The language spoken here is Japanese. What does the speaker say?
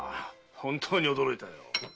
本当に驚いたよ。